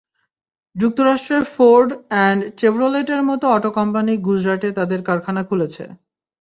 যুক্তরাষ্ট্রের Ford and চেভরোলেটের মতো অটো কোম্পানি গুজরাটে তাদের কারখানা খুলেছে।